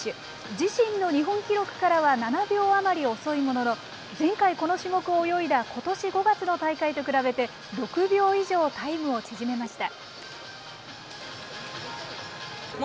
自身の日本記録からは７秒余り遅いものの、前回、この種目を泳いだことし５月の大会と比べて６秒以上タイムを縮めました。